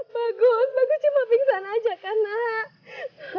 bagus bagus cuma pingsan aja kan nak